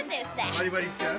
バリバリいっちゃう！